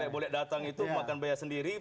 boleh datang itu makan bea sendiri